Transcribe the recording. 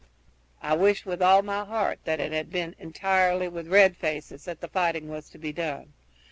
I wish with all my heart that it had been entirely with red foes that the fighting was to be done.